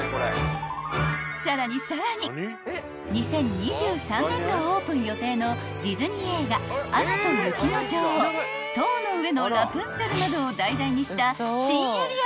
［さらにさらに２０２３年度オープン予定のディズニー映画『アナと雪の女王』『塔の上のラプンツェル』などを題材にした新エリアも建設中］